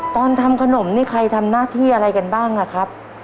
ตอนทำขนมนี่ใครทำหน้าที่อะไรกันบ้างอะครับ